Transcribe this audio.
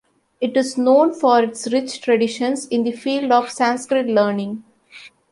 It is known for its rich traditions in the field of Sanskrit learning.